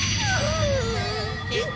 えっ？